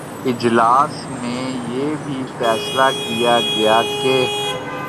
اجلاس میں یہ بھی فیصلہ کیا گیا کہ